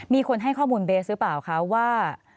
มีคนให้ข้อมูลเบสหรือเปล่าคะว่า